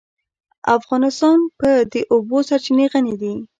افغانستان په د اوبو سرچینې غني دی.